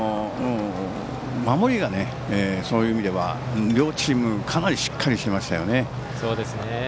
守りがそういう意味では両チーム、かなりしっかりしてましたよね。